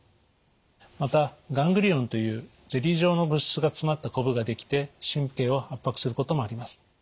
またガングリオンというゼリー状の物質が詰まったコブができて神経を圧迫することもあります。